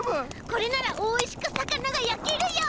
これならおいしくさかながやけるよ！